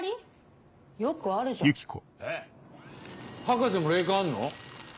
博士も霊感あんの？